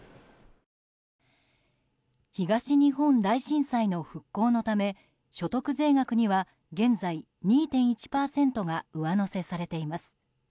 東日本大震災の復興のため所得税額には現在２．１％が上乗せされています。